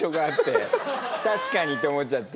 確かにって思っちゃって。